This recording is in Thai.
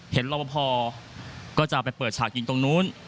เห็นเราพอก็จะไปเปิดฉากยิงตรงนู้น